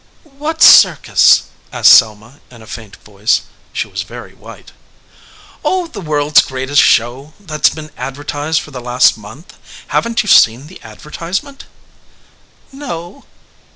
"What circus?" asked Selma in a faint voice. She was very white. "Oh, the World s Greatest Show that s been advertised for the last month. Haven t you seen the advertisement?" "No."